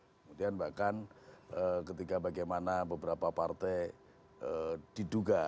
kemudian bahkan ketika bagaimana beberapa partai diduga